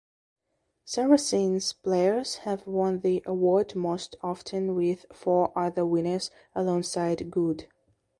Saracens players have won the award most often with four other winners alongside Goode.